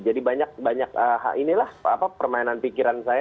jadi banyak banyak inilah permainan pikiran saya